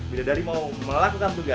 bidadari mau melakukan tugas